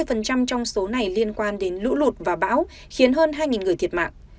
hơn tám mươi trong số này liên quan đến lũ lụt và báo khiến hơn hai người thiệt mạng